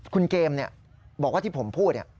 คุณเกมนี่บอกว่าที่ผมพูดนี่